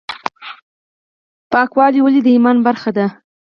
پاکوالی ولې د ایمان برخه ده؟